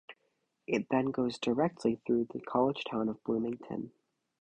It then goes directly through the college town of Bloomington.